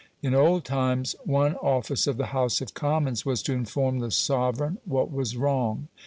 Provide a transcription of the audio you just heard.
In old times one office of the House of Commons was to inform the sovereign what was wrong.